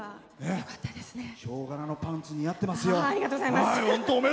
ヒョウ柄のパンツ似合ってますよ。